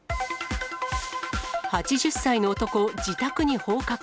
８０歳の男、自宅に放火か。